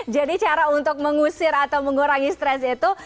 jadi cara untuk mengusir atau mengurangi stres itu